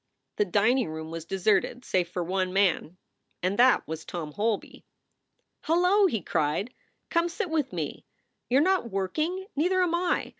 146 SOULS FOR SALE The dining room was deserted save for one man, and that was Tom Holby. "Hello!" he cried. "Come sit with me. You re not working? Neither am I.